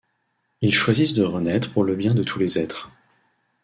Ils choisissent de renaître pour le bien de tous les êtres.